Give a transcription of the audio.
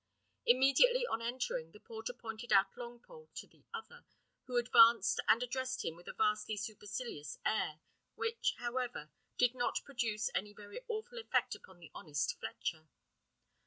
Immediately on entering, the porter pointed out Longpole to the other, who advanced and addressed him with a vastly supercilious air, which, however, did not produce any very awful effect upon the honest fletcher.